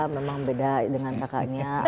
memang beda dengan kakaknya